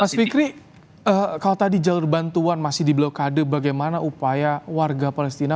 mas fikri kalau tadi jalur bantuan masih di blokade bagaimana upaya warga palestina